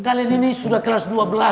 kalian ini sudah kelas dua belas